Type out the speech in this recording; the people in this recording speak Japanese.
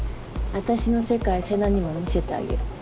私の世界瀬那にも見せてあげる。